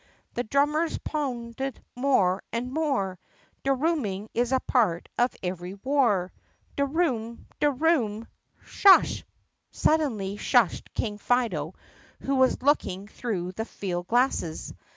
The drummers pounded more and more, De rooming is a part of every war. De room! de room !— "Shush!" suddenly shushed King Fido who was looking through his field glasses.